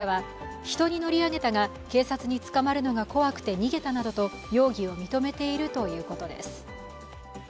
取り調べに対し内山容疑者は、人に乗り上げたが警察に捕まるのが怖くて逃げたなどと容疑を認めているということです。